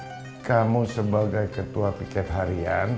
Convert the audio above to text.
karena kamu sebagai ketua piket harian